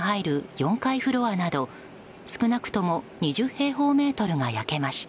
４階フロアなど少なくとも２０平方メートルが焼けました。